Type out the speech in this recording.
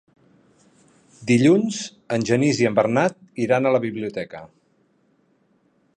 Dilluns en Genís i en Bernat iran a la biblioteca.